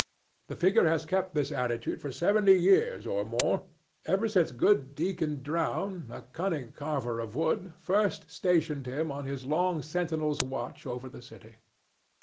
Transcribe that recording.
The figure has kept this attitude for seventy years or more, ever since good Deacon Drowne, a cunning carver of wood, first stationed him on his long sentinel's watch over the city.